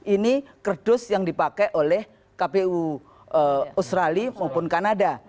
ini kerdus yang dipakai oleh kpu australia maupun kanada